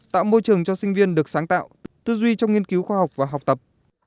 tạo môi trường cho sinh viên được sáng tạo tư duy trong nghiên cứu khoa học và học tập